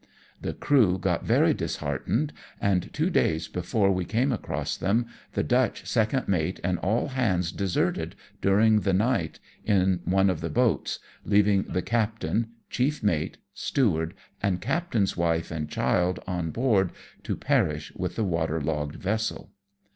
The crew got very disheartened, and two days before we came across them, the Dutch second mate and all hands deserted during the night in one of the boats, leaving the captain, chief mate, steward, and captain's wife and child on board to perish with the water logged vessel.